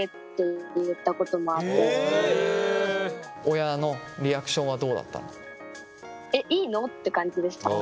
親のリアクションはどうだったの？って感じでした。